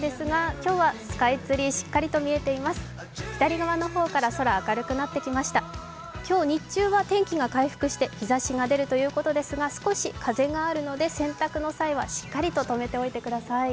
今日、日中は天気が回復して日ざしが出るということですが少し風があるので洗濯の際はしっかりととめておいてください。